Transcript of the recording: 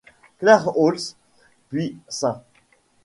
Clare's Hall, puis St.